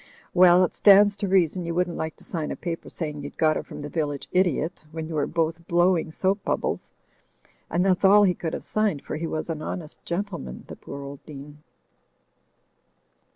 Well, it stands to reason, you wouldn't like to sign a paper saying you'd got it from the village idiot when you were both blowing soap bubbles ; and that's all he could have signed, for he was an honest gentle man, the poor old Dean.